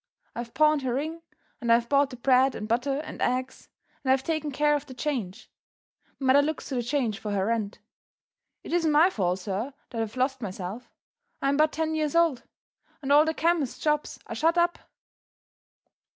I've pawned her ring, and I've bought the bread and butter and eggs, and I've taken care of the change. Mother looks to the change for her rent. It isn't my fault, sir, that I've lost myself. I am but ten years old and all the chemists' shops are shut up!"